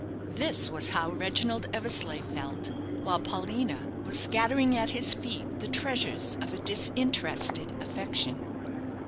This was how Reginald Eversleigh felt, while Paulina was scattering at his feet the treasures of a disinterested affection.